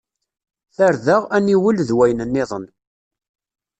Tarda, aniwel d wayen nniḍen.